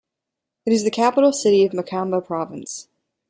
It is the capital city of Makamba Province.